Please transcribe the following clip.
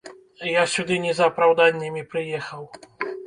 Я сюды не за апраўданнямі прыехаў.